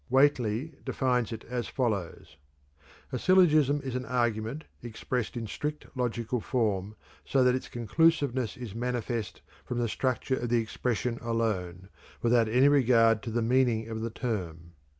Whately defines it as follows: "A syllogism is an argument expressed in strict logical form so that its conclusiveness is manifest from the structure of the expression alone, without any regard to the meaning of the term."